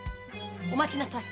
お待ちなさい！